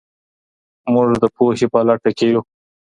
موږ د پوهې په لټه کي یو.